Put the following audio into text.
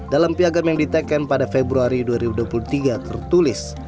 dalam piagam yang diteken pada februari dua ribu dua puluh tiga tertulis